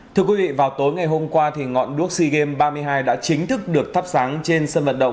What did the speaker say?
thưa quý vị vào tối ngày hôm qua ngọn đuốc sea games ba mươi hai đã chính thức được thắp sáng trên sân vận động